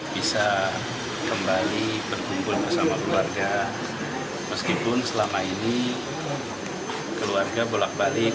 bisa kembali berkumpul bersama keluarga meskipun selama ini keluarga bolak balik